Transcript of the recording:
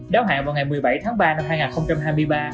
đáo hạn vào ngày một mươi bảy tháng ba năm hai nghìn hai mươi ba